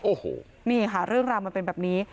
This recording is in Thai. โอ้โหนี่ค่ะเรื่องราวมันเป็นแบบนี้